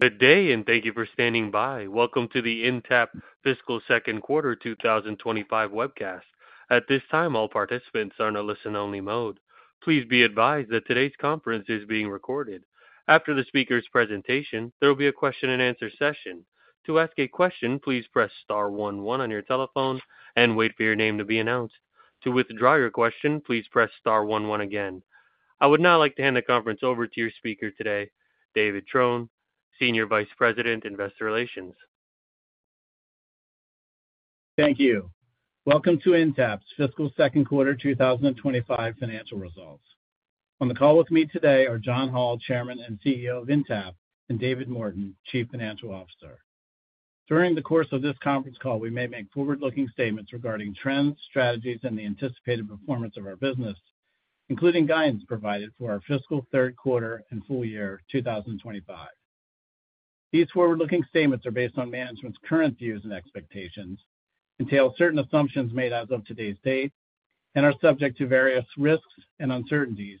Good day, and thank you for standing by. Welcome to the Intapp Fiscal Q2 2025 webcast. At this time, all participants are in a listen-only mode. Please be advised that today's conference is being recorded. After the speaker's presentation, there will be a question-and-answer session. To ask a question, please press star one one on your telephone and wait for your name to be announced. To withdraw your question, please press star one one again. I would now like to hand the conference over to your speaker today, David Trone, Senior Vice President, Investor Relations. Thank you. Welcome to Intapp's Fiscal Q2 2025 Financial Results. On the call with me today are John Hall, Chairman and CEO of Intapp, and David Morton, Chief Financial Officer. During the course of this conference call, we may make forward-looking statements regarding trends, strategies, and the anticipated performance of our business, including guidance provided for our fiscal Q3 and full year 2025. These forward-looking statements are based on management's current views and expectations, entail certain assumptions made as of today's date, and are subject to various risks and uncertainties,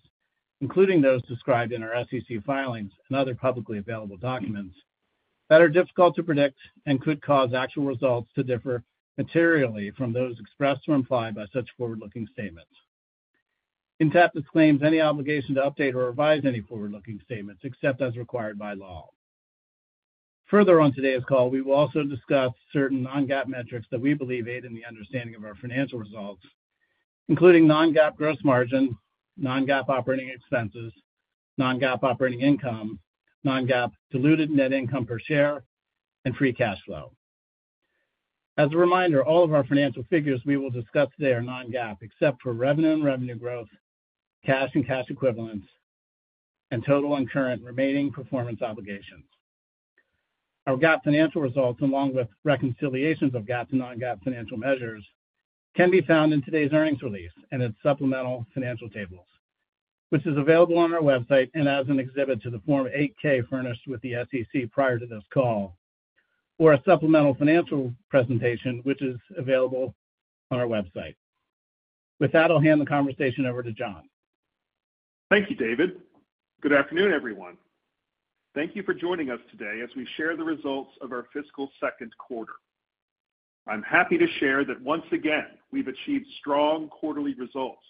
including those described in our SEC filings and other publicly available documents that are difficult to predict and could cause actual results to differ materially from those expressed or implied by such forward-looking statements. Intapp disclaims any obligation to update or revise any forward-looking statements except as required by law. Further, on today's call, we will also discuss certain non-GAAP metrics that we believe aid in the understanding of our financial results, including non-GAAP gross margin, non-GAAP operating expenses, non-GAAP operating income, non-GAAP diluted net income per share, and free cash flow. As a reminder, all of our financial figures we will discuss today are non-GAAP except for revenue and revenue growth, cash and cash equivalents, and total and current remaining performance obligations. Our GAAP financial results, along with reconciliations of GAAP to non-GAAP financial measures, can be found in today's earnings release and its supplemental financial tables, which is available on our website and as an exhibit to the Form 8-K furnished with the SEC prior to this call, or a supplemental financial presentation, which is available on our website. With that, I'll hand the conversation over to John. Thank you, David. Good afternoon, everyone. Thank you for joining us today as we share the results of our fiscal Q2. I'm happy to share that once again we've achieved strong quarterly results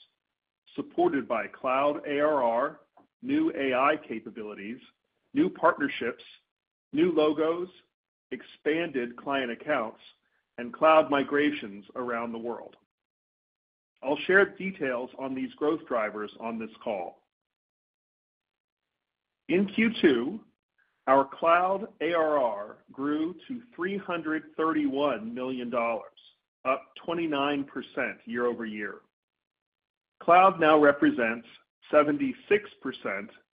supported by cloud ARR, new AI capabilities, new partnerships, new logos, expanded client accounts, and cloud migrations around the world. I'll share details on these growth drivers on this call. In Q2, our cloud ARR grew to $331 million, up 29% year over year. Cloud now represents 76%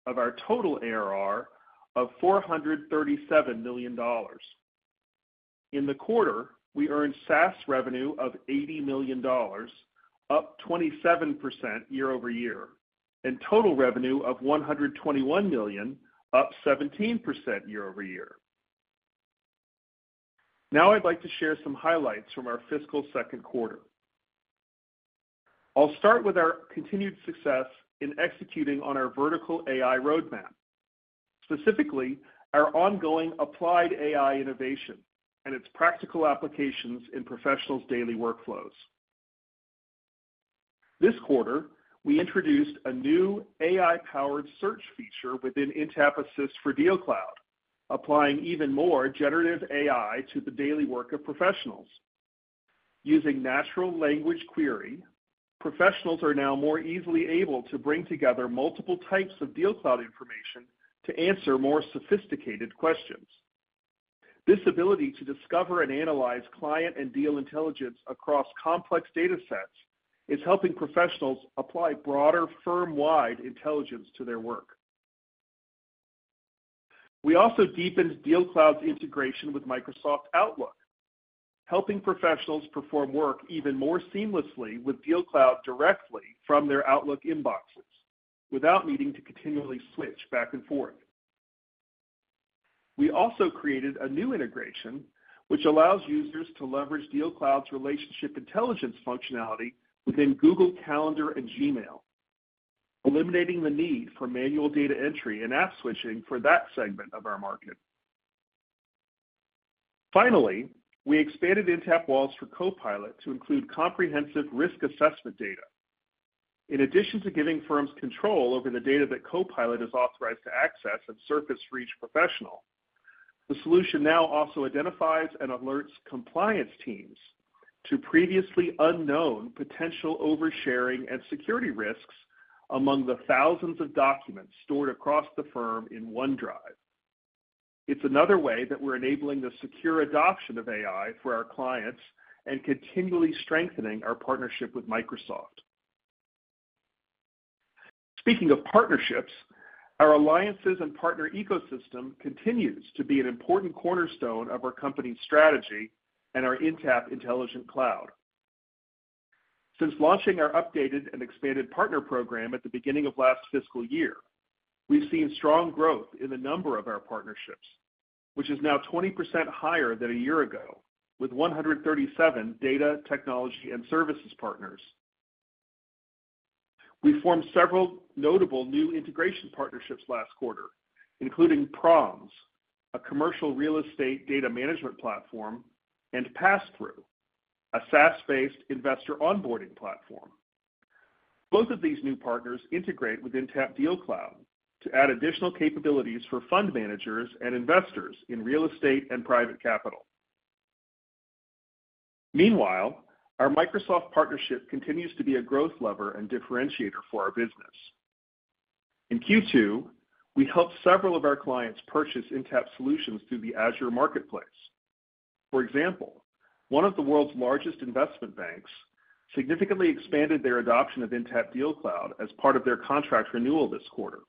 of our total ARR of $437 million. In the quarter, we earned SaaS revenue of $80 million, up 27% year over year, and total revenue of $121 million, up 17% year over year. Now I'd like to share some highlights from our fiscal Q2. I'll start with our continued success in executing on our vertical AI roadmap, specifically our ongoing applied AI innovation and its practical applications in professionals' daily workflows. This quarter, we introduced a new AI-powered search feature within Intapp Assist for DealCloud, applying even more generative AI to the daily work of professionals. Using natural language query, professionals are now more easily able to bring together multiple types of DealCloud information to answer more sophisticated questions. This ability to discover and analyze client and deal intelligence across complex data sets is helping professionals apply broader firm-wide intelligence to their work. We also deepened DealCloud's integration with Microsoft Outlook, helping professionals perform work even more seamlessly with DealCloud directly from their Outlook inboxes without needing to continually switch back and forth. We also created a new integration, which allows users to leverage DealCloud's relationship intelligence functionality within Google Calendar and Gmail, eliminating the need for manual data entry and app switching for that segment of our market. Finally, we expanded Intapp Walls for Copilot to include comprehensive risk assessment data. In addition to giving firms control over the data that Copilot is authorized to access and surface for each professional, the solution now also identifies and alerts compliance teams to previously unknown potential oversharing and security risks among the thousands of documents stored across the firm in OneDrive. It's another way that we're enabling the secure adoption of AI for our clients and continually strengthening our partnership with Microsoft. Speaking of partnerships, our alliances and partner ecosystem continues to be an important cornerstone of our company's strategy and our Intapp Intelligent Cloud. Since launching our updated and expanded partner program at the beginning of last fiscal year, we've seen strong growth in the number of our partnerships, which is now 20% higher than a year ago with 137 data technology and services partners. We formed several notable new integration partnerships last quarter, including Proms, a commercial real estate data management platform, and Passthrough, a SaaS-based investor onboarding platform. Both of these new partners integrate with Intapp DealCloud to add additional capabilities for fund managers and investors in real estate and private capital. Meanwhile, our Microsoft partnership continues to be a growth lever and differentiator for our business. In Q2, we helped several of our clients purchase Intapp solutions through the Azure Marketplace. For example, one of the world's largest investment banks significantly expanded their adoption of Intapp DealCloud as part of their contract renewal this quarter.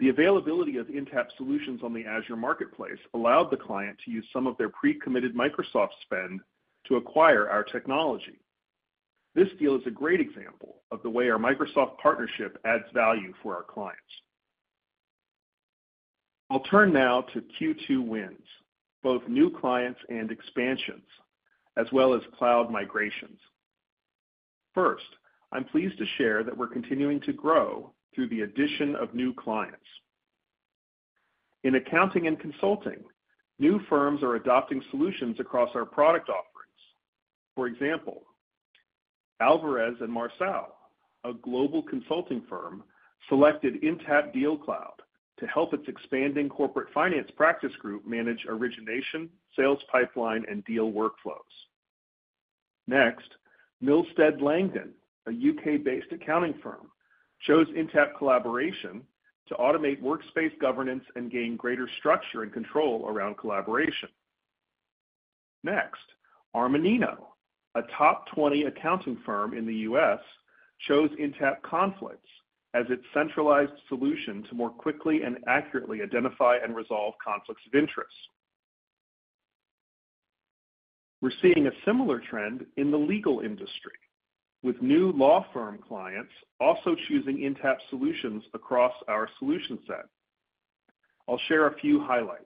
The availability of Intapp solutions on the Azure Marketplace allowed the client to use some of their pre-committed Microsoft spend to acquire our technology. This deal is a great example of the way our Microsoft partnership adds value for our clients. I'll turn now to Q2 wins, both new clients and expansions, as well as cloud migrations. First, I'm pleased to share that we're continuing to grow through the addition of new clients. In accounting and consulting, new firms are adopting solutions across our product offerings. For example, Alvarez & Marsal, a global consulting firm, selected Intapp DealCloud to help its expanding corporate finance practice group manage origination, sales pipeline, and deal workflows. Next, Milsted Langdon, a U.K.-based accounting firm, chose Intapp Collaboration to automate workspace governance and gain greater structure and control around collaboration. Next, Armanino, a top 20 accounting firm in the U.S., chose Intapp Conflicts as its centralized solution to more quickly and accurately identify and resolve conflicts of interest. We're seeing a similar trend in the legal industry, with new law firm clients also choosing Intapp solutions across our solution set. I'll share a few highlights.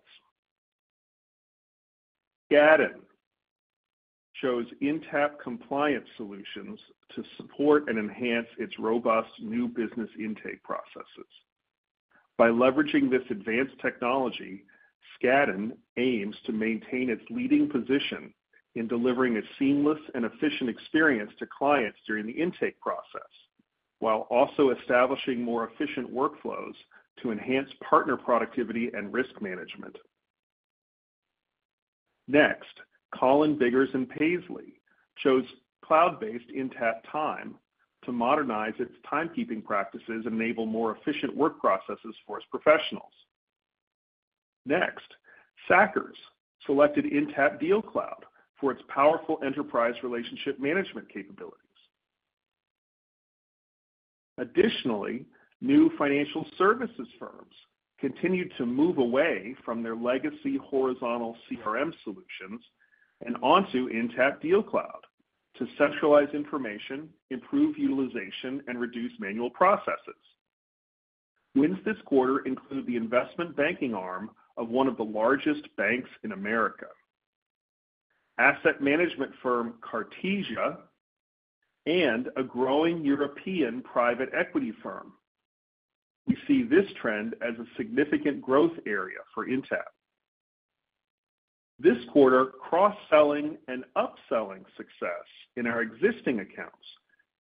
Skadden chose Intapp Compliance Solutions to support and enhance its robust new business intake processes. By leveraging this advanced technology, Skadden aims to maintain its leading position in delivering a seamless and efficient experience to clients during the intake process, while also establishing more efficient workflows to enhance partner productivity and risk management. Next, Colin Biggers & Paisley chose cloud-based Intapp Time to modernize its timekeeping practices and enable more efficient work processes for its professionals. Next, Sackers selected Intapp DealCloud for its powerful enterprise relationship management capabilities. Additionally, new financial services firms continued to move away from their legacy horizontal CRM solutions and onto Intapp DealCloud to centralize information, improve utilization, and reduce manual processes. Wins this quarter include the investment banking arm of one of the largest banks in America, asset management firm Kartesia, and a growing European private equity firm. We see this trend as a significant growth area for Intapp. This quarter, cross-selling and upselling success in our existing accounts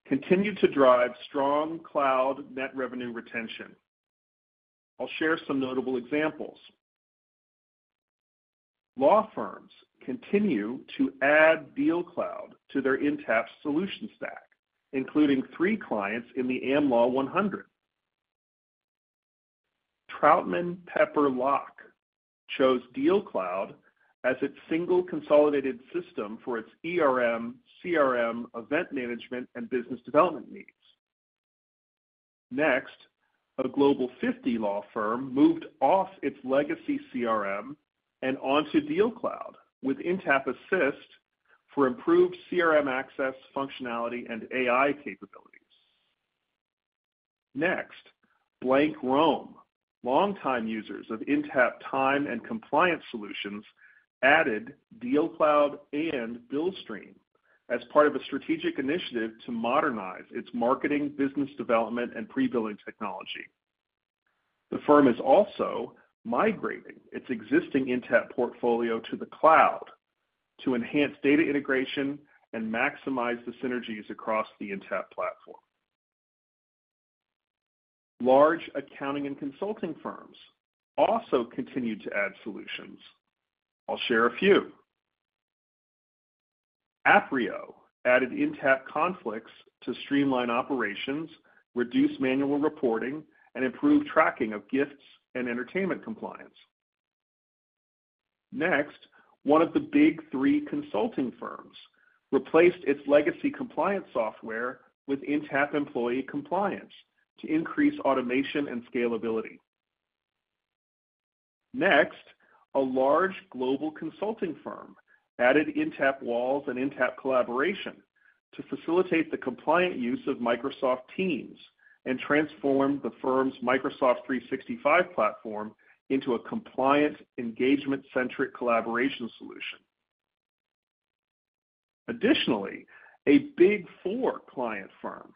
continued to drive strong cloud net revenue retention. I'll share some notable examples. Law firms continue to add DealCloud to their Intapp solution stack, including three clients in the Am Law 100. Troutman Pepper Locke chose DealCloud as its single consolidated system for its CRM, event management, and business development needs. Next, a Global 50 law firm moved off its legacy CRM and onto DealCloud with Intapp Assist for improved CRM access, functionality, and AI capabilities. Next, Blank Rome, longtime users of Intapp Time and compliance solutions, added DealCloud and BillStream as part of a strategic initiative to modernize its marketing, business development, and pre-billing technology. The firm is also migrating its existing Intapp portfolio to the cloud to enhance data integration and maximize the synergies across the Intapp platform. Large accounting and consulting firms also continued to add solutions. I'll share a few. Aprio added Intapp Conflicts to streamline operations, reduce manual reporting, and improve tracking of gifts and entertainment compliance. Next, one of the Big Three consulting firms replaced its legacy compliance software with Intapp Employee Compliance to increase automation and scalability. Next, a large global consulting firm added Intapp Walls and Intapp Collaboration to facilitate the compliant use of Microsoft Teams and transform the firm's Microsoft 365 platform into a compliant engagement-centric collaboration solution. Additionally, a Big Four client firm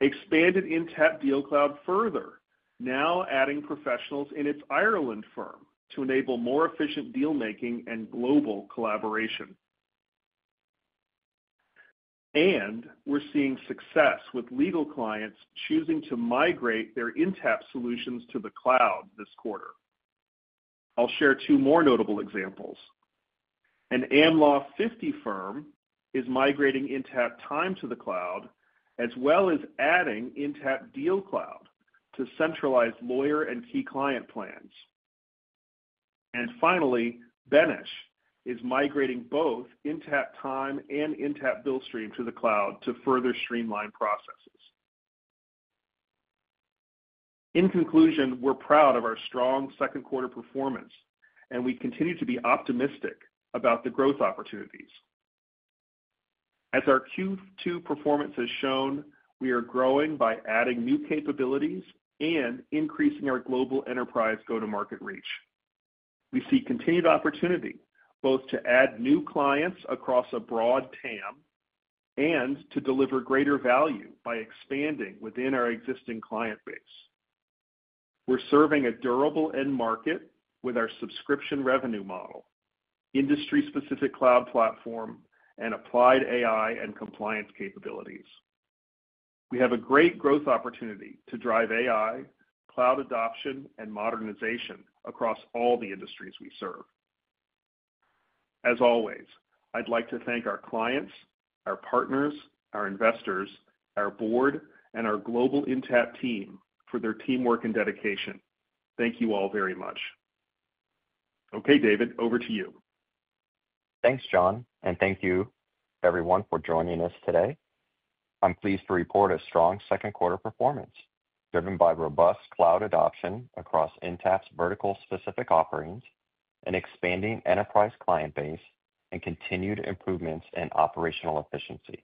expanded Intapp DealCloud further, now adding professionals in its Ireland firm to enable more efficient deal-making and global collaboration. We're seeing success with legal clients choosing to migrate their Intapp solutions to the cloud this quarter. I'll share two more notable examples. An Am Law 50 firm is migrating Intapp Time to the cloud, as well as adding Intapp DealCloud to centralized lawyer and key client plans. Finally, Benesch is migrating both Intapp Time and Intapp BillStream to the cloud to further streamline processes. In conclusion, we're proud of our strong Q2 performance, and we continue to be optimistic about the growth opportunities. As our Q2 performance has shown, we are growing by adding new capabilities and increasing our global enterprise go-to-market reach. We see continued opportunity both to add new clients across a broad TAM and to deliver greater value by expanding within our existing client base. We're serving a durable end market with our subscription revenue model, industry-specific cloud platform, and applied AI and compliance capabilities. We have a great growth opportunity to drive AI, cloud adoption, and modernization across all the industries we serve. As always, I'd like to thank our clients, our partners, our investors, our board, and our global Intapp team for their teamwork and dedication. Thank you all very much. Okay, David, over to you. Thanks, John, and thank you everyone for joining us today. I'm pleased to report a strong Q2 performance driven by robust cloud adoption across Intapp's vertical-specific offerings and expanding enterprise client base and continued improvements in operational efficiency.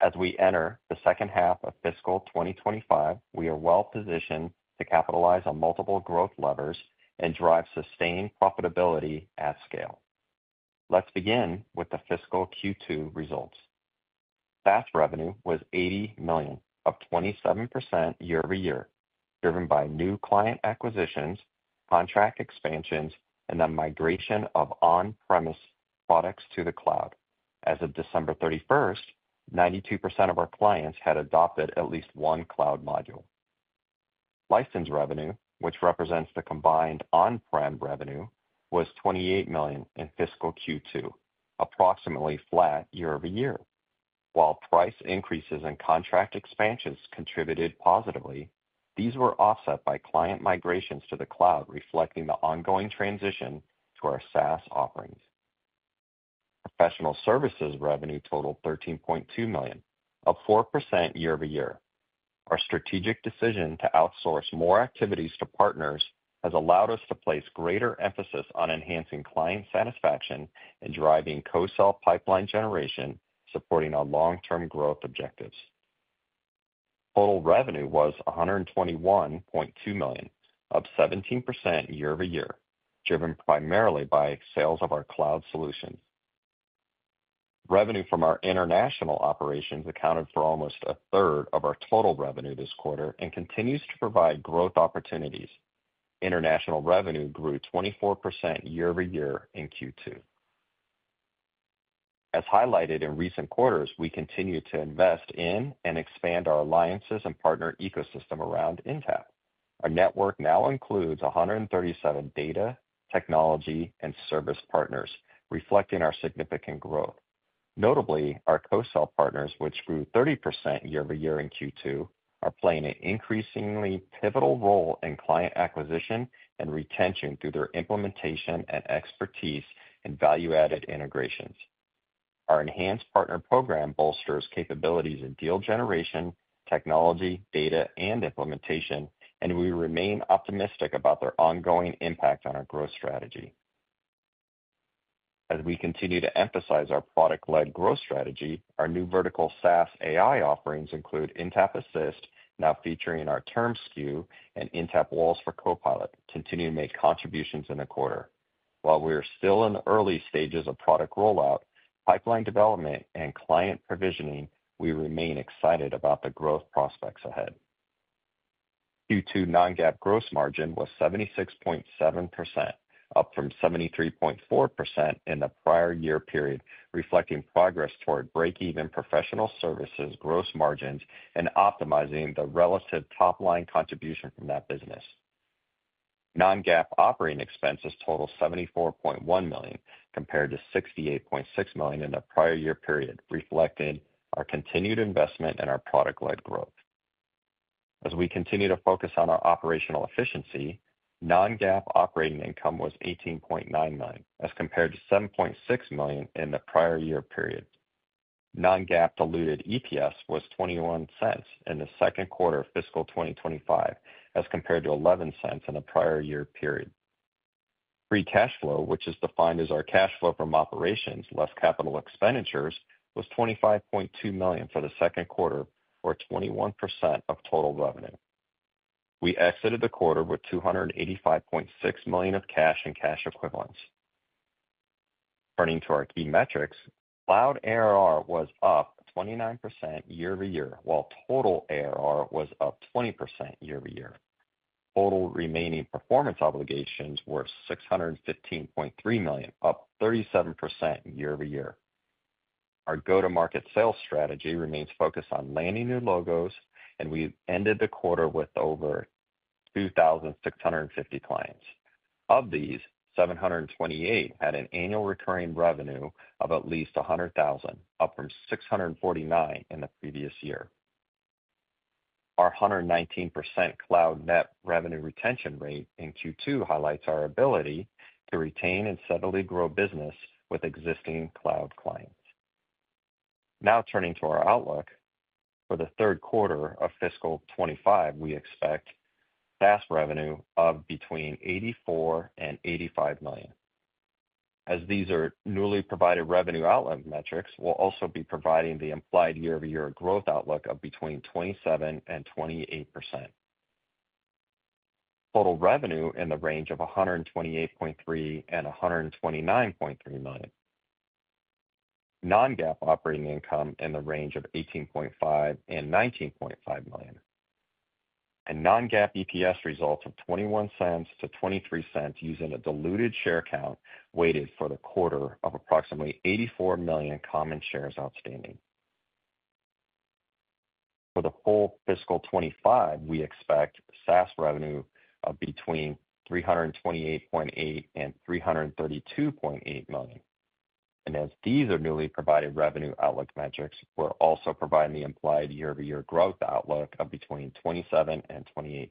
As we enter the second half of fiscal 2025, we are well positioned to capitalize on multiple growth levers and drive sustained profitability at scale. Let's begin with the fiscal Q2 results. Total revenue was $80 million, up 27% year over year, driven by new client acquisitions, contract expansions, and the migration of on-premise products to the cloud. As of December 31st, 92% of our clients had adopted at least one cloud module. License revenue, which represents the combined on-prem revenue, was $28 million in fiscal Q2, approximately flat year over year. While price increases and contract expansions contributed positively, these were offset by client migrations to the cloud, reflecting the ongoing transition to our SaaS offerings. Professional services revenue totaled $13.2 million, up 4% year over year. Our strategic decision to outsource more activities to partners has allowed us to place greater emphasis on enhancing client satisfaction and driving co-sell pipeline generation, supporting our long-term growth objectives. Total revenue was $121.2 million, up 17% year over year, driven primarily by sales of our cloud solutions. Revenue from our international operations accounted for almost a third of our total revenue this quarter and continues to provide growth opportunities. International revenue grew 24% year over year in Q2. As highlighted in recent quarters, we continue to invest in and expand our alliances and partner ecosystem around Intapp. Our network now includes 137 data, technology, and service partners, reflecting our significant growth. Notably, our co-sell partners, which grew 30% year over year in Q2, are playing an increasingly pivotal role in client acquisition and retention through their implementation and expertise in value-added integrations. Our enhanced partner program bolsters capabilities in deal generation, technology, data, and implementation, and we remain optimistic about their ongoing impact on our growth strategy. As we continue to emphasize our product-led growth strategy, our new vertical SaaS AI offerings include Intapp Assist, now featuring our TermScout, and Intapp Walls for Copilot, continuing to make contributions in the quarter. While we are still in the early stages of product rollout, pipeline development, and client provisioning, we remain excited about the growth prospects ahead. Q2 non-GAAP gross margin was 76.7%, up from 73.4% in the prior year period, reflecting progress toward break-even professional services gross margins and optimizing the relative top-line contribution from that business. Non-GAAP operating expenses totaled $74.1 million, compared to $68.6 million in the prior year period, reflecting our continued investment in our product-led growth. As we continue to focus on our operational efficiency, non-GAAP operating income was $18.9 million, as compared to $7.6 million in the prior year period. Non-GAAP diluted EPS was $0.21 in the Q2 of fiscal 2025, as compared to $0.11 in the prior year period. Free cash flow, which is defined as our cash flow from operations less capital expenditures, was $25.2 million for the Q2, or 21% of total revenue. We exited the quarter with $285.6 million of cash and cash equivalents. Turning to our key metrics, cloud ARR was up 29% year over year, while total ARR was up 20% year over year. Total remaining performance obligations were $615.3 million, up 37% year over year. Our go-to-market sales strategy remains focused on landing new logos, and we ended the quarter with over 2,650 clients. Of these, 728 had an annual recurring revenue of at least $100,000, up from 649 in the previous year. Our 119% cloud net revenue retention rate in Q2 highlights our ability to retain and steadily grow business with existing cloud clients. Now turning to our outlook for the Q3 of fiscal 2025, we expect SaaS revenue of between $84 million and $85 million. As these are newly provided revenue outlook metrics, we'll also be providing the implied year-over-year growth outlook of between 27% and 28%. Total revenue in the range of $128.3 million and $129.3 million. Non-GAAP operating income in the range of $18.5 million and $19.5 million. Non-GAAP EPS results of $0.21-$0.23 using a diluted share count weighted for the quarter of approximately 84 million common shares outstanding. For the full Fiscal 2025, we expect SaaS revenue of between $328.8 million and $332.8 million. As these are newly provided revenue outlook metrics, we're also providing the implied year-over-year growth outlook of between 27% and 28%.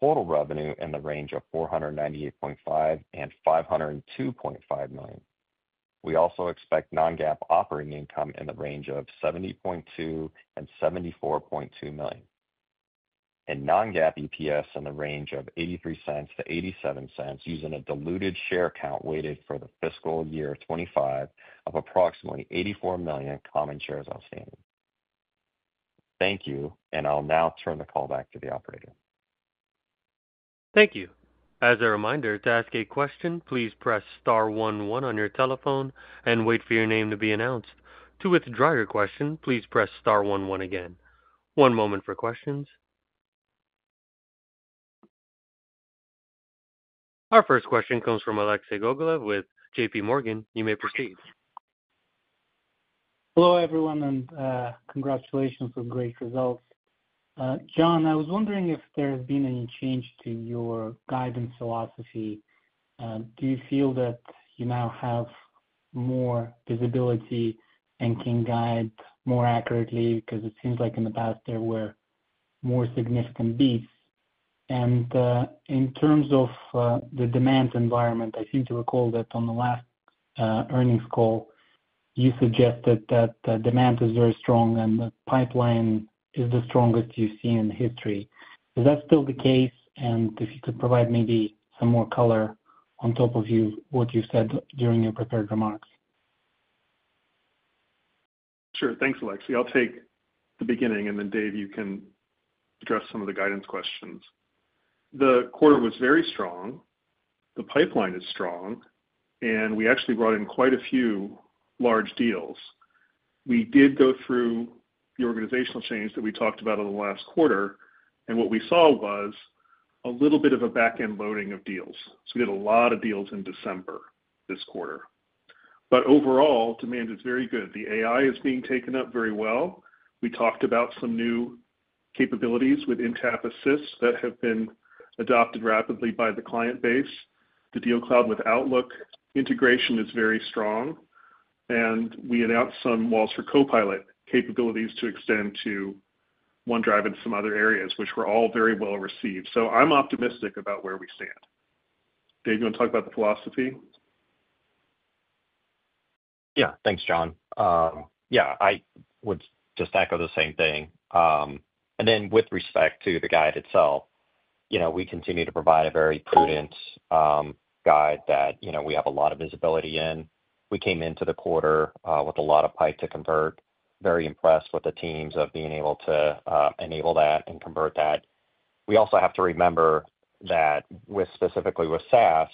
Total revenue in the range of $498.5-$502.5 million. We also expect non-GAAP operating income in the range of $70.2-$74.2 million. Non-GAAP EPS in the range of $0.83-$0.87 using a diluted share count weighted for the Fiscal Year 2025 of approximately 84 million common shares outstanding. Thank you, and I'll now turn the call back to the operator. Thank you. As a reminder, to ask a question, please press star one one on your telephone and wait for your name to be announced. To withdraw your question, please press star one one again. One moment for questions. Our first question comes from Alexei Gogolev with JPMorgan. You may proceed. Hello, everyone, and congratulations on great results. John, I was wondering if there has been any change to your guidance philosophy. Do you feel that you now have more visibility and can guide more accurately? Because it seems like in the past there were more significant beats. And in terms of the demand environment, I seem to recall that on the last earnings call, you suggested that the demand is very strong and the pipeline is the strongest you've seen in history. Is that still the case? And if you could provide maybe some more color on top of what you said during your prepared remarks. Sure. Thanks, Alexei. I'll take the beginning, and then, Dave, you can address some of the guidance questions. The quarter was very strong. The pipeline is strong, and we actually brought in quite a few large deals. We did go through the organizational change that we talked about in the last quarter, and what we saw was a little bit of a back-end loading of deals. So we did a lot of deals in December this quarter. But overall, demand is very good. The AI is being taken up very well. We talked about some new capabilities with Intapp Assist that have been adopted rapidly by the client base. The DealCloud with Outlook integration is very strong, and we announced some Walls for Copilot capabilities to extend to OneDrive and some other areas, which were all very well received, so I'm optimistic about where we stand. Dave, you want to talk about the philosophy? Yeah. Thanks, John. Yeah, I would just echo the same thing, and then with respect to the guide itself, we continue to provide a very prudent guide that we have a lot of visibility in. We came into the quarter with a lot of pipe to convert. Very impressed with the teams of being able to enable that and convert that. We also have to remember that specifically with SaaS,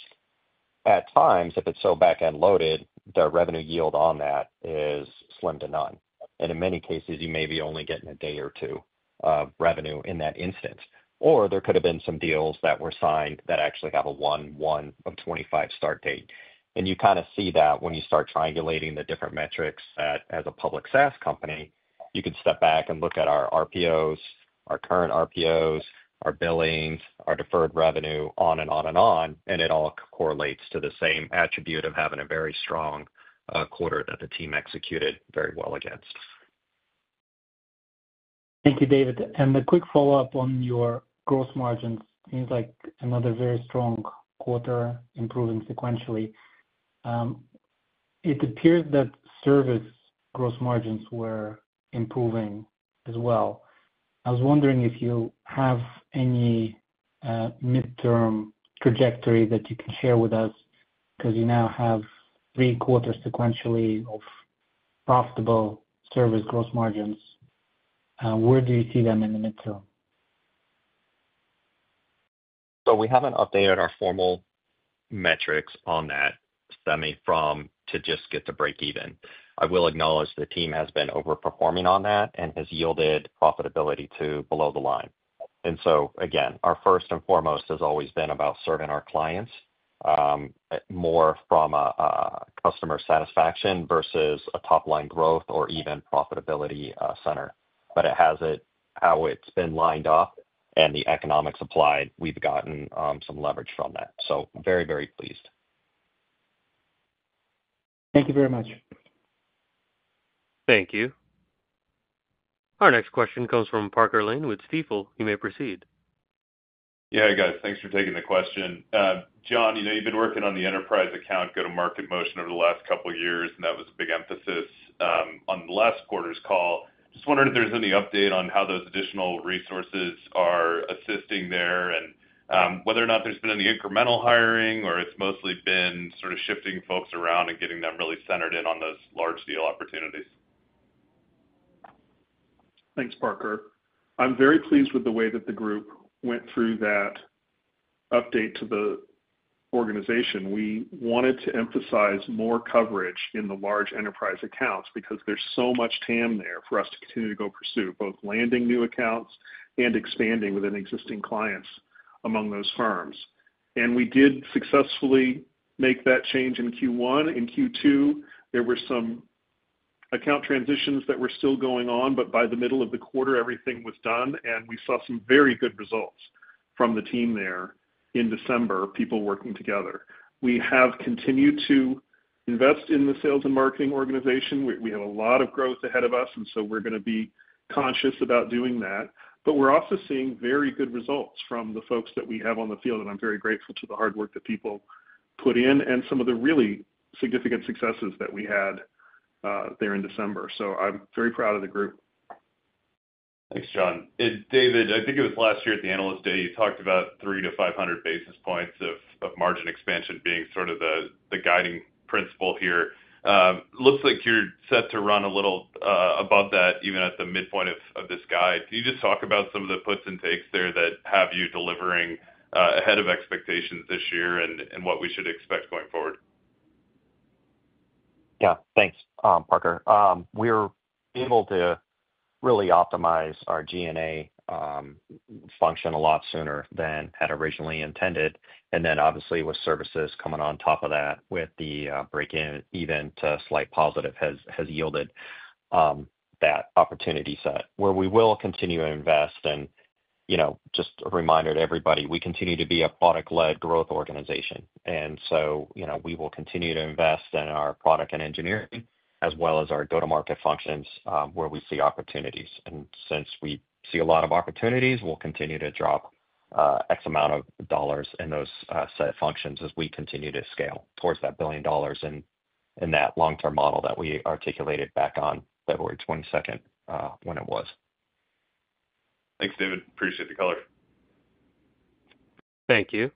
at times, if it's so back-end loaded, the revenue yield on that is slim to none, and in many cases, you may be only getting a day or two of revenue in that instance. Or there could have been some deals that were signed that actually have a 1/1/25 start date. And you kind of see that when you start triangulating the different metrics that as a public SaaS company, you can step back and look at our RPOs, our current RPOs, our billings, our deferred revenue, on and on and on, and it all correlates to the same attribute of having a very strong quarter that the team executed very well against. Thank you, David. And a quick follow-up on your gross margins. Seems like another very strong quarter improving sequentially. It appears that service gross margins were improving as well. I was wondering if you have any midterm trajectory that you can share with us because you now have three quarters sequentially of profitable service gross margins. Where do you see them in the midterm? So we haven't updated our formal metrics on that semi from to just get to break-even. I will acknowledge the team has been overperforming on that and has yielded profitability to below the line. And so, again, our first and foremost has always been about serving our clients more from a customer satisfaction versus a top-line growth or even profitability center. But it has it how it's been lined up and the economics applied, we've gotten some leverage from that. So very, very pleased. Thank you very much. Thank you. Our next question comes from Parker Lane with Stifel. You may proceed. Yeah, hey guys. Thanks for taking the question. John, you've been working on the enterprise account go-to-market motion over the last couple of years, and that was a big emphasis on the last quarter's call. Just wondering if there's any update on how those additional resources are assisting there and whether or not there's been any incremental hiring or it's mostly been sort of shifting folks around and getting them really centered in on those large deal opportunities. Thanks, Parker. I'm very pleased with the way that the group went through that update to the organization. We wanted to emphasize more coverage in the large enterprise accounts because there's so much TAM there for us to continue to go pursue both landing new accounts and expanding within existing clients among those firms, and we did successfully make that change in Q1. In Q2, there were some account transitions that were still going on, but by the middle of the quarter, everything was done, and we saw some very good results from the team there in December, people working together. We have continued to invest in the sales and marketing organization. We have a lot of growth ahead of us, and so we're going to be conscious about doing that. But we're also seeing very good results from the folks that we have on the field, and I'm very grateful to the hard work that people put in and some of the really significant successes that we had there in December. So I'm very proud of the group. Thanks, John. David, I think it was last year at the Analyst Day, you talked about 300-500 basis points of margin expansion being sort of the guiding principle here. Looks like you're set to run a little above that, even at the midpoint of this guide. Can you just talk about some of the puts and takes there that have you delivering ahead of expectations this year and what we should expect going forward? Yeah. Thanks, Parker. We're able to really optimize our G&A function a lot sooner than had originally intended. And then, obviously, with services coming on top of that, with the break-even slight positive has yielded that opportunity set, where we will continue to invest. And just a reminder to everybody, we continue to be a product-led growth organization. And so we will continue to invest in our product and engineering as well as our go-to-market functions where we see opportunities. And since we see a lot of opportunities, we'll continue to drop X amount of dollars in those set functions as we continue to scale towards that $1 billion in that long-term model that we articulated back on February 22nd when it was. Thanks, David. Appreciate the color. Thank you.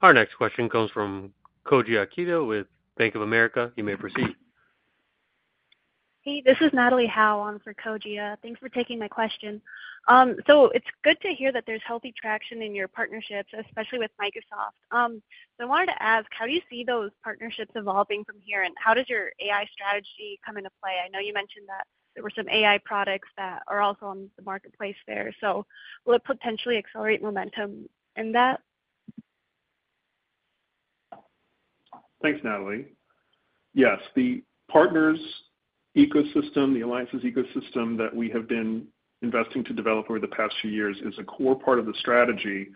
Our next question comes from Koji Ikeda with Bank of America. You may proceed. Hey, this is Natalie Howe on for Koji. Thanks for taking my question. So it's good to hear that there's healthy traction in your partnerships, especially with Microsoft. So I wanted to ask, how do you see those partnerships evolving from here, and how does your AI strategy come into play? I know you mentioned that there were some AI products that are also on the marketplace there. So will it potentially accelerate momentum in that? Thanks, Natalie. Yes. The partners' ecosystem, the alliances' ecosystem that we have been investing to develop over the past few years is a core part of the strategy.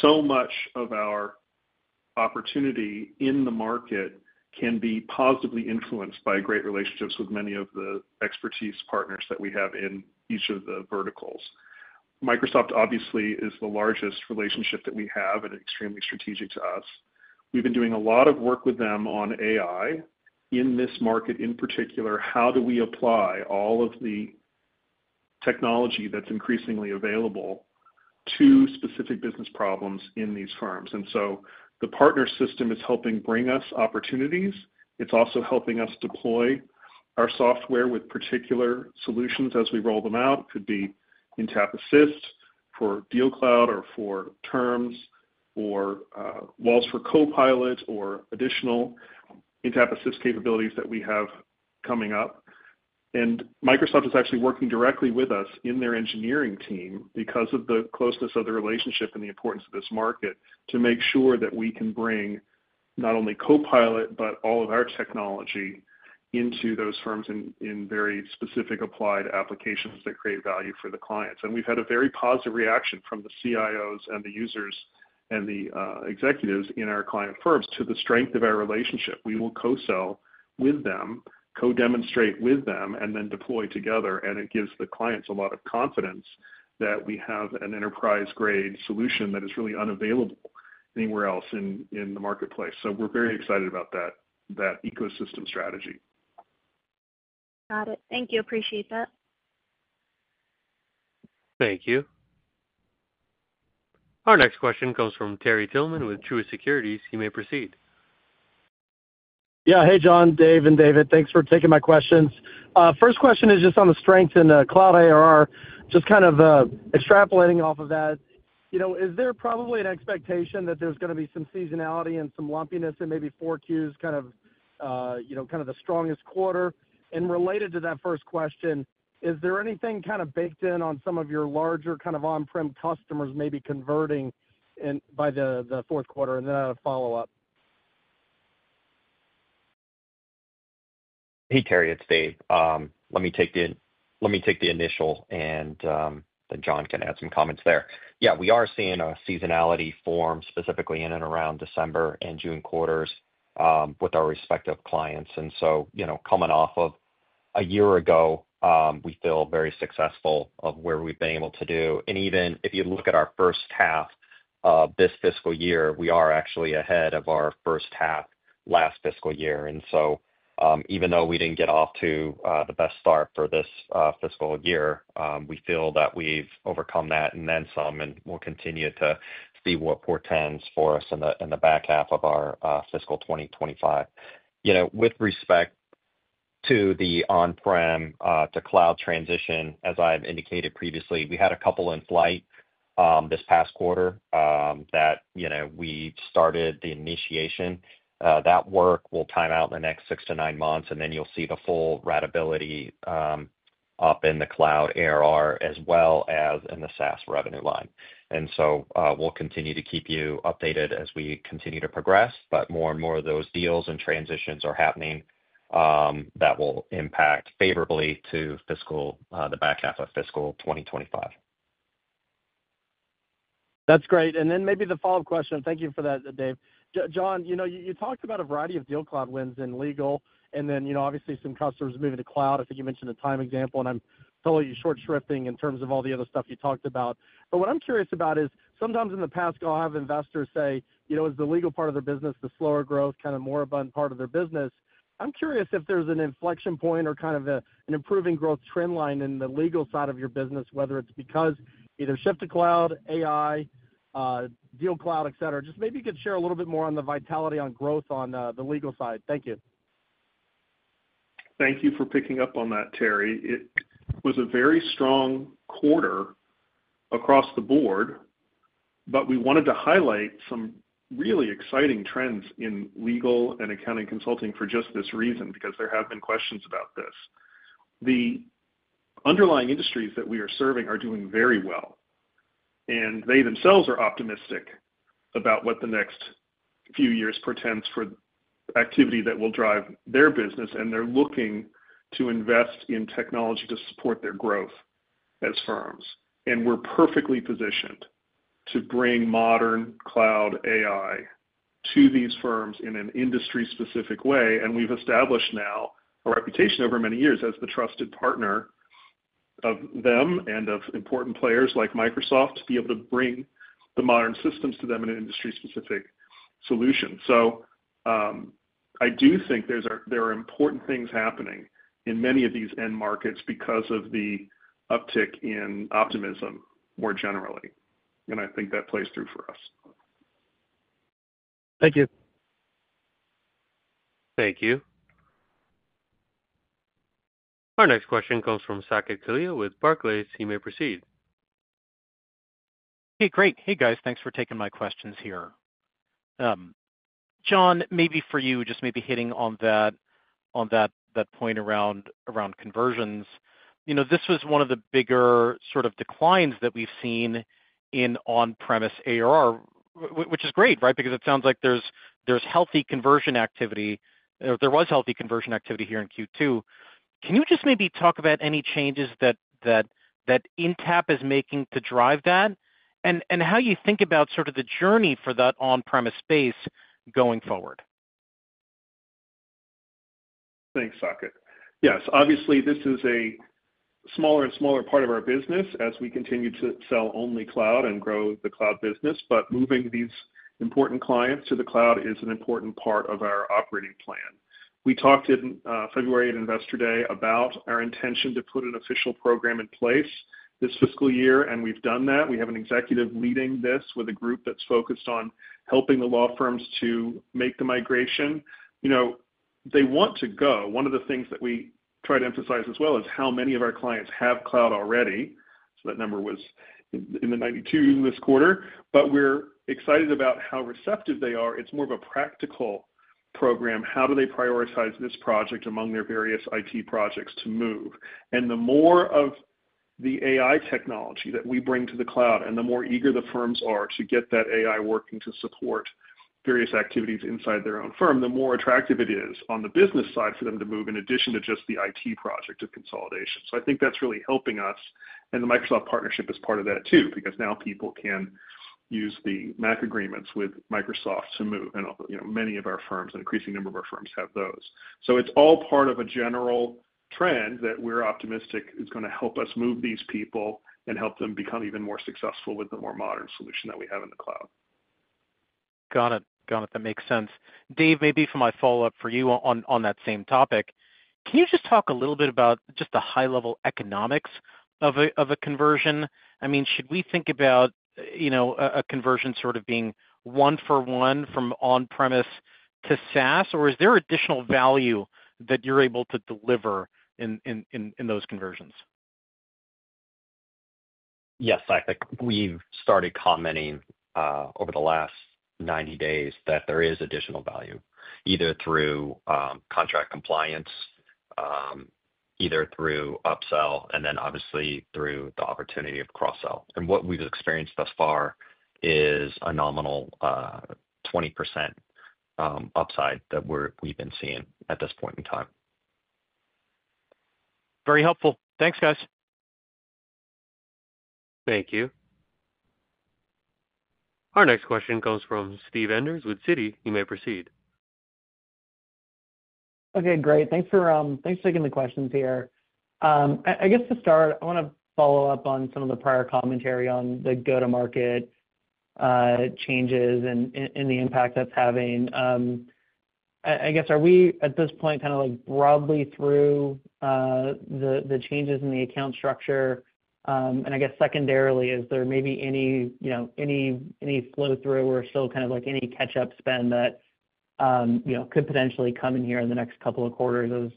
So much of our opportunity in the market can be positively influenced by great relationships with many of the expertise partners that we have in each of the verticals. Microsoft, obviously, is the largest relationship that we have and extremely strategic to us. We've been doing a lot of work with them on AI. In this market, in particular, how do we apply all of the technology that's increasingly available to specific business problems in these firms? And so the partner system is helping bring us opportunities. It's also helping us deploy our software with particular solutions as we roll them out. It could be Intapp Assist for DealCloud or for Terms or Walls for Copilot or additional Intapp Assist capabilities that we have coming up. And Microsoft is actually working directly with us in their engineering team because of the closeness of the relationship and the importance of this market to make sure that we can bring not only Copilot, but all of our technology into those firms in very specific applied applications that create value for the clients. And we've had a very positive reaction from the CIOs and the users and the executives in our client firms to the strength of our relationship. We will co-sell with them, co-demonstrate with them, and then deploy together. And it gives the clients a lot of confidence that we have an enterprise-grade solution that is really unavailable anywhere else in the marketplace. So we're very excited about that ecosystem strategy. Got it. Thank you. Appreciate that. Thank you. Our next question comes from Terry Tillman with Truist Securities. You may proceed. Yeah. Hey, John, Dave, and David. Thanks for taking my questions. First question is just on the strength in Cloud ARR. Just kind of extrapolating off of that, is there probably an expectation that there's going to be some seasonality and some lumpiness in maybe four Qs, kind of the strongest quarter? And related to that first question, is there anything kind of baked in on some of your larger kind of on-prem customers maybe converting by the Q4? And then I have a follow-up. Hey, Terry. It's Dave. Let me take the initial, and then John can add some comments there. Yeah, we are seeing seasonality forming specifically in and around December and June quarters with our respective clients. And so coming off of a year ago, we feel very successful of where we've been able to do. And even if you look at our first half of this fiscal year, we are actually ahead of our first half last fiscal year. And so even though we didn't get off to the best start for this fiscal year, we feel that we've overcome that and then some, and we'll continue to see what portends for us in the back half of our fiscal 2025. With respect to the on-prem to cloud transition, as I've indicated previously, we had a couple in flight this past quarter that we started the initiation. That work will time out in the next six to nine months, and then you'll see the full ratability up in the Cloud ARR as well as in the SaaS revenue line. And so we'll continue to keep you updated as we continue to progress. But more and more of those deals and transitions are happening that will impact favorably to the back half of fiscal 2025. That's great. And then maybe the follow-up question. Thank you for that, Dave. John, you talked about a variety of DealCloud wins in legal, and then obviously some customers moving to cloud. I think you mentioned a time example, and I'm totally short shrift in terms of all the other stuff you talked about. But what I'm curious about is sometimes in the past, I'll have investors say, "Is the legal part of their business the slower growth, kind of more abundant part of their business?" I'm curious if there's an inflection point or kind of an improving growth trend line in the legal side of your business, whether it's because either shift to cloud, AI, DealCloud, etc. Just maybe you could share a little bit more on the vitality on growth on the legal side. Thank you. Thank you for picking up on that, Terry. It was a very strong quarter across the board, but we wanted to highlight some really exciting trends in legal and accounting consulting for just this reason because there have been questions about this. The underlying industries that we are serving are doing very well, and they themselves are optimistic about what the next few years portends for activity that will drive their business, and they're looking to invest in technology to support their growth as firms. We're perfectly positioned to bring modern cloud AI to these firms in an industry-specific way. We've established now a reputation over many years as the trusted partner of them and of important players like Microsoft to be able to bring the modern systems to them in an industry-specific solution. I do think there are important things happening in many of these end markets because of the uptick in optimism more generally. I think that plays through for us. Thank you. Thank you. Our next question comes from Saket Kalia with Barclays. You may proceed. Hey, great. Hey, guys. Thanks for taking my questions here. John, maybe for you, just maybe hitting on that point around conversions. This was one of the bigger sort of declines that we've seen in on-premise ARR, which is great, right? Because it sounds like there's healthy conversion activity. There was healthy conversion activity here in Q2. Can you just maybe talk about any changes that Intapp is making to drive that and how you think about sort of the journey for that on-premise space going forward? Thanks, Saket. Yes. Obviously, this is a smaller and smaller part of our business as we continue to sell only cloud and grow the cloud business. But moving these important clients to the cloud is an important part of our operating plan. We talked in February at Investor Day about our intention to put an official program in place this fiscal year, and we've done that. We have an executive leading this with a group that's focused on helping the law firms to make the migration. They want to go. One of the things that we try to emphasize as well is how many of our clients have cloud already. So that number was 92% this quarter. But we're excited about how receptive they are. It's more of a practical program How do they prioritize this project among their various IT projects to move? And the more of the AI technology that we bring to the cloud and the more eager the firms are to get that AI working to support various activities inside their own firm, the more attractive it is on the business side for them to move in addition to just the IT project of consolidation. So I think that's really helping us. The Microsoft partnership is part of that too because now people can use the MACC agreements with Microsoft to move. Many of our firms, an increasing number of our firms, have those. It's all part of a general trend that we're optimistic is going to help us move these people and help them become even more successful with the more modern solution that we have in the cloud. Got it. Got it. That makes sense. Dave, maybe for my follow-up for you on that same topic, can you just talk a little bit about just the high-level economics of a conversion? I mean, should we think about a conversion sort of being one-for-one from on-premise to SaaS, or is there additional value that you're able to deliver in those conversions? Yes, Saket. We've started commenting over the last 90 days that there is additional value, either through contract compliance, either through upsell, and then obviously through the opportunity of cross-sell. What we've experienced thus far is a nominal 20% upside that we've been seeing at this point in time. Very helpful. Thanks, guys. Thank you. Our next question comes from Steve Enders with Citi. You may proceed. Okay. Great. Thanks for taking the questions here. I guess to start, I want to follow up on some of the prior commentary on the go-to-market changes and the impact that's having. I guess, are we at this point kind of broadly through the changes in the account structure? I guess secondarily, is there maybe any flow-through or still kind of any catch-up spend that could potentially come in here in the next couple of quarters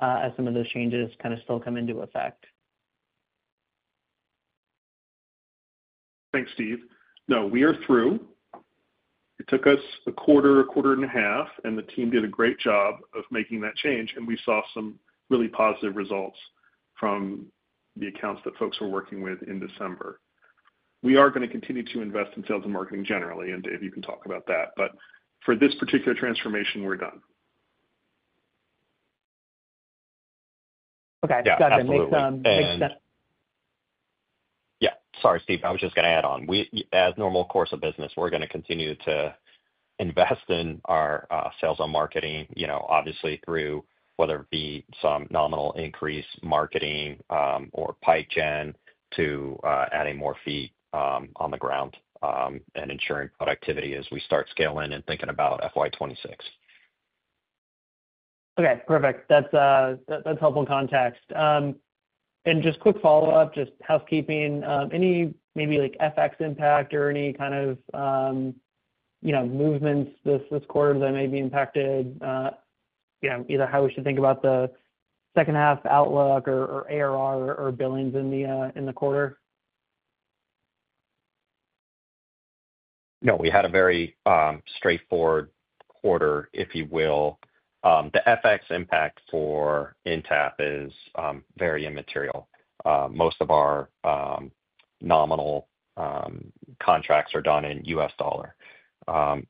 as some of those changes kind of still come into effect? Thanks, Steve. No, we are through. It took us a quarter, a quarter and a half, and the team did a great job of making that change. And we saw some really positive results from the accounts that folks were working with in December. We are going to continue to invest in sales and marketing generally. And Dave, you can talk about that. But for this particular transformation, we're done. Okay. Got it. That makes sense. Yeah. Sorry, Steve. I was just going to add on. As normal course of business, we're going to continue to invest in our sales and marketing, obviously through whether it be some nominal increase marketing or pipe gen to adding more feet on the ground and ensuring productivity as we start scaling and thinking about FY26. Okay. Perfect. That's helpful context. And just quick follow-up, just housekeeping. Any maybe FX impact or any kind of movements this quarter that may be impacted? Either how we should think about the second-half outlook or ARR or billings in the quarter? No, we had a very straightforward quarter, if you will. The FX impact for Intapp is very immaterial. Most of our nominal contracts are done in U.S. dollar.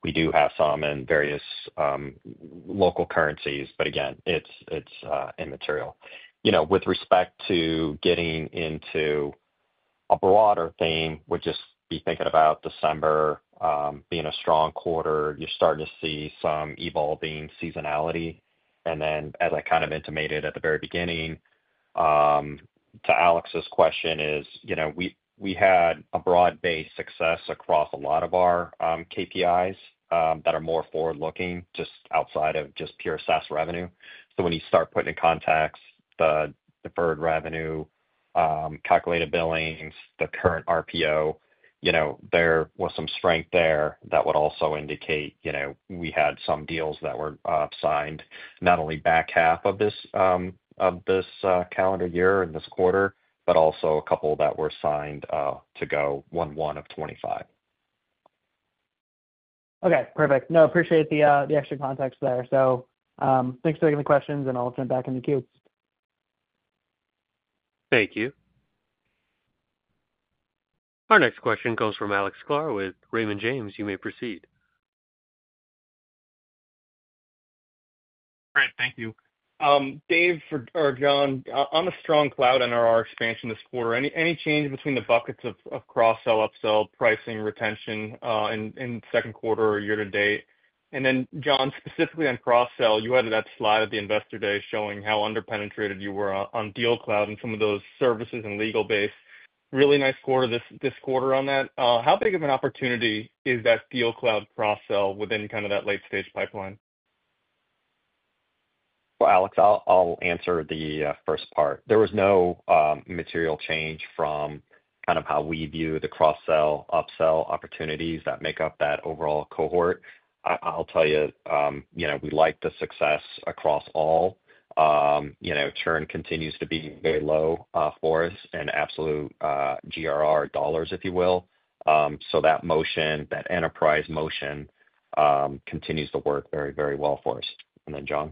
We do have some in various local currencies, but again, it's immaterial. With respect to getting into a broader theme, we'll just be thinking about December being a strong quarter. You're starting to see some evolving seasonality. And then, as I kind of intimated at the very beginning, to Alex's question is we had a broad-based success across a lot of our KPIs that are more forward-looking just outside of just pure SaaS revenue. So when you start putting in context, the deferred revenue, calculated billings, the current RPO, there was some strength there that would also indicate we had some deals that were signed not only back half of this calendar year and this quarter, but also a couple that were signed to go Q1 of 2025. Okay. Perfect. No, appreciate the extra context there. So thanks for taking the questions, and I'll jump back in the queue. Thank you. Our next question comes from Alex Sklar with Raymond James. You may proceed. Great. Thank you. Dave or John, on a strong cloud and ARR expansion this quarter, any change between the buckets of cross-sell, upsell, pricing, retention in Q2 or year to date? And then, John, specifically on cross-sell, you had that slide at the Investor Day showing how underpenetrated you were on DealCloud and some of those services and legal-based. Really nice quarter this quarter on that. How big of an opportunity is that DealCloud cross-sell within kind of that late-stage pipeline? Alex, I'll answer the first part. There was no material change from kind of how we view the cross-sell, upsell opportunities that make up that overall cohort. I'll tell you, we like the success across all. Churn continues to be very low for us and absolute GRR dollars, if you will. So that motion, that enterprise motion continues to work very, very well for us. And then, John.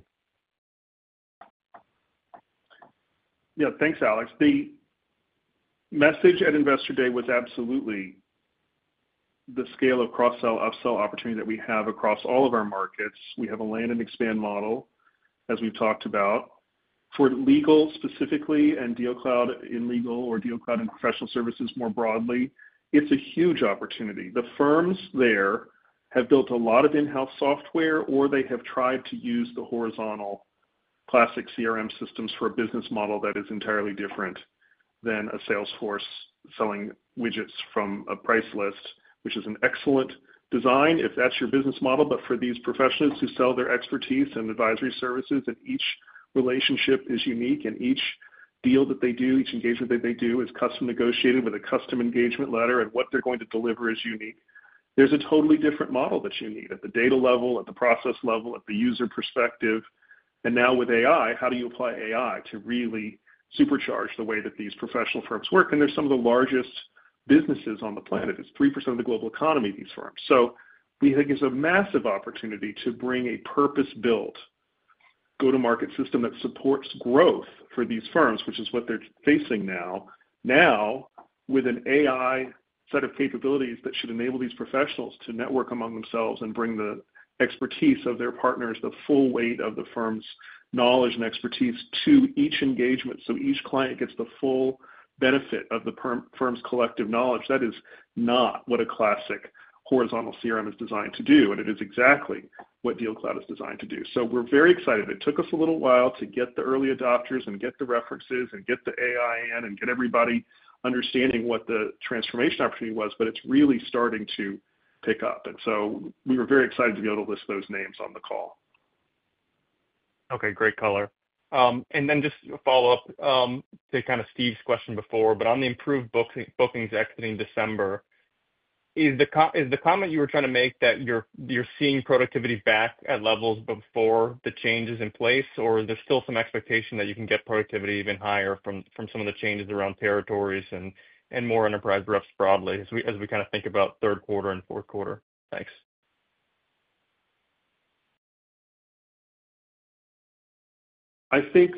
Yeah. Thanks, Alex. The message at Investor Day was absolutely the scale of cross-sell, upsell opportunity that we have across all of our markets. We have a land and expand model, as we've talked about. For legal specifically and DealCloud in legal or DealCloud in professional services more broadly, it's a huge opportunity. The firms there have built a lot of in-house software, or they have tried to use the horizontal classic CRM systems for a business model that is entirely different than a Salesforce selling widgets from a price list, which is an excellent design if that's your business model. But for these professionals who sell their expertise and advisory services, and each relationship is unique, and each deal that they do, each engagement that they do is custom negotiated with a custom engagement letter, and what they're going to deliver is unique. There's a totally different model that you need at the data level, at the process level, at the user perspective. And now with AI, how do you apply AI to really supercharge the way that these professional firms work? And they're some of the largest businesses on the planet. It's 3% of the global economy, these firms. So we think it's a massive opportunity to bring a purpose-built go-to-market system that supports growth for these firms, which is what they're facing now, now with an AI set of capabilities that should enable these professionals to network among themselves and bring the expertise of their partners, the full weight of the firm's knowledge and expertise to each engagement so each client gets the full benefit of the firm's collective knowledge. That is not what a classic horizontal CRM is designed to do, and it is exactly what DealCloud is designed to do. So we're very excited. It took us a little while to get the early adopters and get the references and get the AI in and get everybody understanding what the transformation opportunity was, but it's really starting to pick up, and so we were very excited to be able to list those names on the call. Okay. Great color. And then just a follow-up to kind of Steve's question before, but on the improved bookings exiting December, is the comment you were trying to make that you're seeing productivity back at levels before the change is in place, or is there still some expectation that you can get productivity even higher from some of the changes around territories and more enterprise reps broadly as we kind of think about Q3 and Q4? Thanks. I think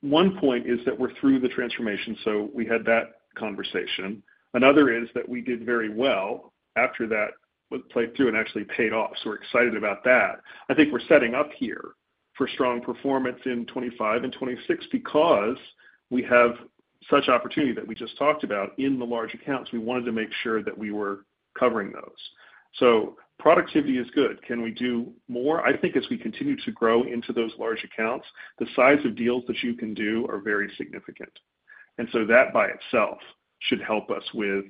one point is that we're through the transformation, so we had that conversation. Another is that we did very well after that played through and actually paid off. So we're excited about that. I think we're setting up here for strong performance in 2025 and 2026 because we have such opportunity that we just talked about in the large accounts. We wanted to make sure that we were covering those. So productivity is good. Can we do more? I think as we continue to grow into those large accounts, the size of deals that you can do are very significant. And so that by itself should help us with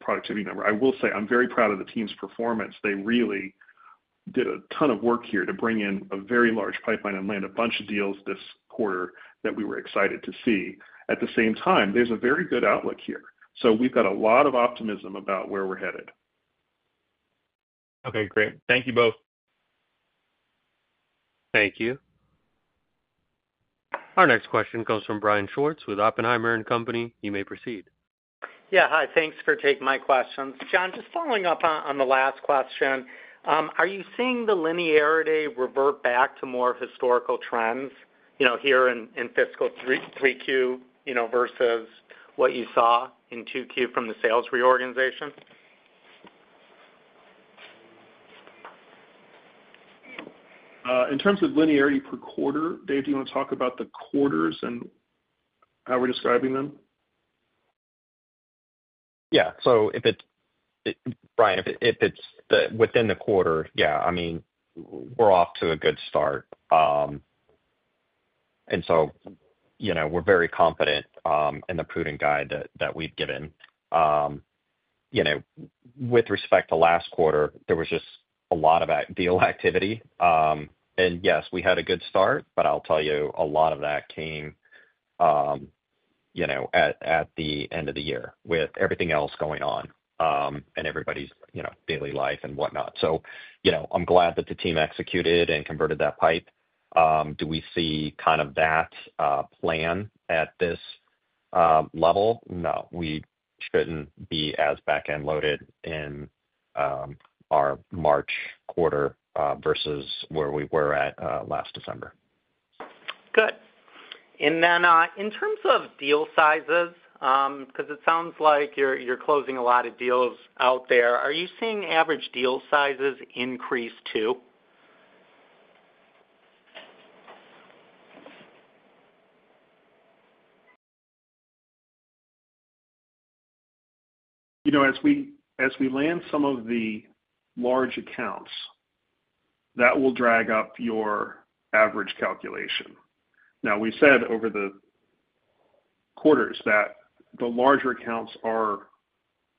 productivity number. I will say I'm very proud of the team's performance. They really did a ton of work here to bring in a very large pipeline and land a bunch of deals this quarter that we were excited to see. At the same time, there's a very good outlook here. So we've got a lot of optimism about where we're headed. Okay. Great. Thank you both. Thank you. Our next question comes from Brian Schwartz with Oppenheimer & Company. You may proceed. Yeah. Hi. Thanks for taking my questions. John, just following up on the last question, are you seeing the linearity revert back to more historical trends here in fiscal 3Q versus what you saw in 2Q from the sales reorganization? In terms of linearity per quarter, Dave, do you want to talk about the quarters and how we're describing them? Yeah. So Brian, if it's within the quarter, yeah, I mean, we're off to a good start. And so we're very confident in the prudent guide that we've given. With respect to last quarter, there was just a lot of deal activity. And yes, we had a good start, but I'll tell you, a lot of that came at the end of the year with everything else going on and everybody's daily life and whatnot. So I'm glad that the team executed and converted that pipe. Do we see kind of that plan at this level? No. We shouldn't be as back-end loaded in our March quarter versus where we were at last December. Good. And then in terms of deal sizes, because it sounds like you're closing a lot of deals out there, are you seeing average deal sizes increase too? As we land some of the large accounts, that will drag up your average calculation. Now, we said over the quarters that the larger accounts are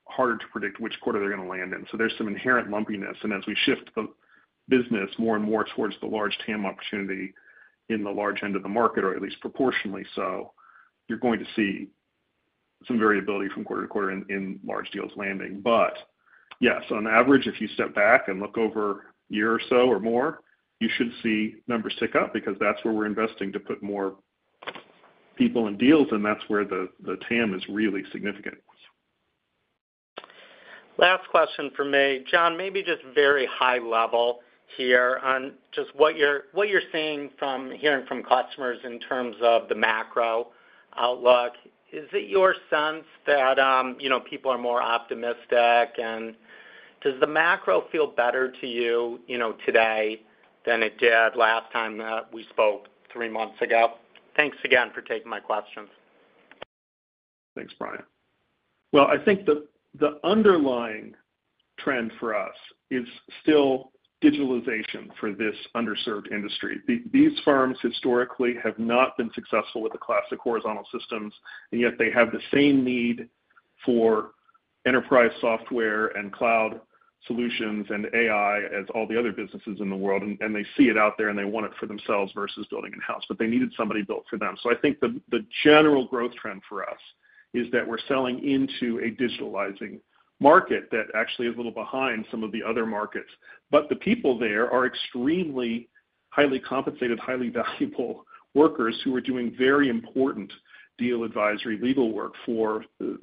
harder to predict which quarter they're going to land in. So there's some inherent lumpiness. And as we shift the business more and more towards the large TAM opportunity in the large end of the market, or at least proportionally so, you're going to see some variability from quarter to quarter in large deals landing. But yes, on average, if you step back and look over a year or so or more, you should see numbers tick up because that's where we're investing to put more people in deals, and that's where the TAM is really significant. Last question for me. John, maybe just very high level here on just what you're seeing from hearing from customers in terms of the macro outlook. Is it your sense that people are more optimistic? And does the macro feel better to you today than it did last time that we spoke three months ago? Thanks again for taking my questions. Thanks, Brian. Well, I think the underlying trend for us is still digitalization for this underserved industry. These firms historically have not been successful with the classic horizontal systems, and yet they have the same need for enterprise software and cloud solutions and AI as all the other businesses in the world. And they see it out there, and they want it for themselves versus building in-house. But they needed somebody built for them. So I think the general growth trend for us is that we're selling into a digitalizing market that actually is a little behind some of the other markets. But the people there are extremely highly compensated, highly valuable workers who are doing very important deal advisory legal work for the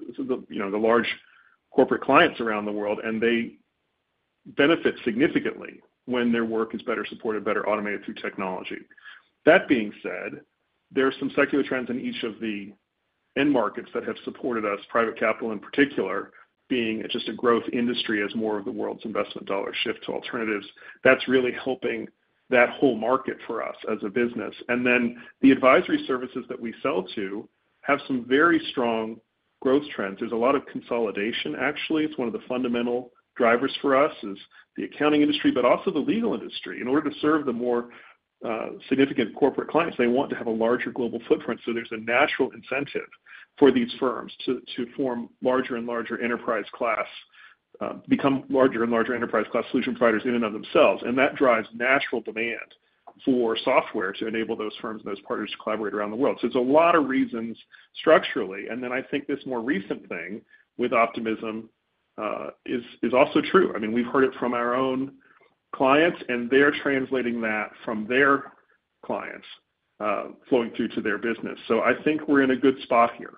large corporate clients around the world, and they benefit significantly when their work is better supported, better automated through technology. That being said, there are some secular trends in each of the end markets that have supported us, private capital in particular, being just a growth industry as more of the world's investment dollars shift to alternatives. That's really helping that whole market for us as a business. And then the advisory services that we sell to have some very strong growth trends. There's a lot of consolidation, actually. It's one of the fundamental drivers for us, is the accounting industry, but also the legal industry. In order to serve the more significant corporate clients, they want to have a larger global footprint. So there's a natural incentive for these firms to form larger and larger enterprise-class, become larger and larger enterprise-class solution providers in and of themselves. And that drives natural demand for software to enable those firms and those partners to collaborate around the world. So there's a lot of reasons structurally. And then I think this more recent thing with optimism is also true. I mean, we've heard it from our own clients, and they're translating that from their clients flowing through to their business. So I think we're in a good spot here.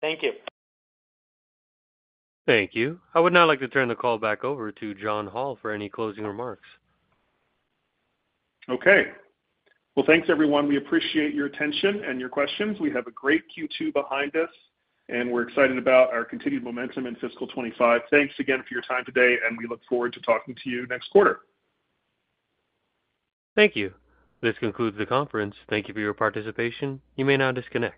Thank you. Thank you. I would now like to turn the call back over to John Hall for any closing remarks. Okay. Well, thanks, everyone. We appreciate your attention and your questions. We have a great Q2 behind us, and we're excited about our continued momentum in fiscal 2025. Thanks again for your time today, and we look forward to talking to you next quarter. Thank you. This concludes the conference. Thank you for your participation. You may now disconnect.